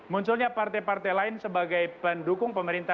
munculnya partai partai lain sebagai pendukung pemerintah